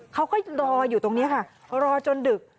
เขาก็รออยู่ตรงนี้ค่ะรอจนดึก